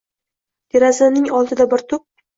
Derazamning oldida bir tup